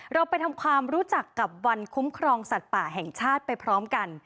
เราไปทำความรู้จักกับวันคุ้มครองสัตว์ป่าแห่งชาติไปพร้อมกัน